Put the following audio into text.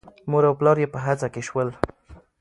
مور او پلار یې په هڅه کې شول.